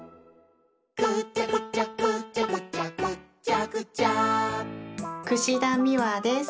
「ぐちゃぐちゃぐちゃぐちゃぐっちゃぐちゃ」田美和です。